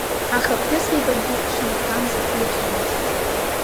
Аха ԥҳәысеибакгьы шамахамзар длывсуамызт.